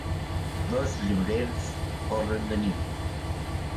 Dos llebrers corren de nit